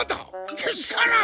けしからん！